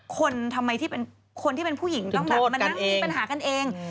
คนที่เป็นผู้หญิงต้องแบบมันต้องมีปัญหากันเอง